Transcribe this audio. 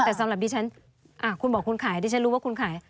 แต่สำหรับดิฉันคุณบอกคุณขายดิฉันรู้ว่าคุณขาย